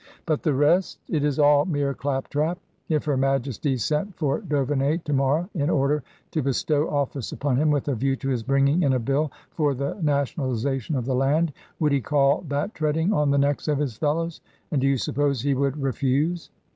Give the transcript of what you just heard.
" But the rest ?" "It is all mere clap trap. If her Majesty sent for d'Auvemey to morrow in order to bestow office upon him with a view to his bringing in a bill for the Nation alization of the Land, would he call that treading on the necks of his fellows ? and do you suppose he would re fuse